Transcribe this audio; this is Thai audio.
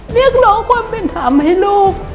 เรียกน้องคนเป็นถามให้ลูก